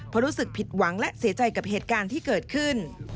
เพราะรู้สึกผิดหวังและเสียใจกับเหตุการณ์ที่เกิดขึ้น